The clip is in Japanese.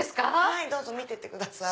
はいどうぞ見ていってください。